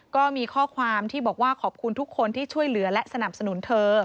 ก็มีข้อความที่บอกว่าขอบคุณทุกคนที่ช่วยเหลือและสนับสนุนเธอ